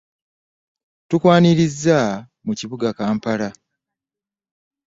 Tukwaniriza mu kibuga Kampala.